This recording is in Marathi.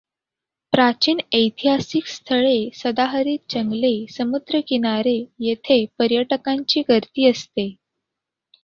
प्राचीन ऐतिहासिक स्थळे, सदाहरित जंगले, समुद्रकिनारे येथे पर्यटकांची गर्दी असते.